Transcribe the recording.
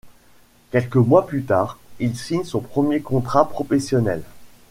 Quelques mois plus tard, il signe son premier contrat professionnel.